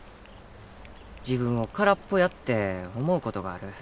自分を空っぽやって思うことがある